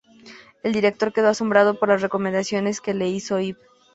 El director quedó asombrado por las recomendaciones que le hizo Ive.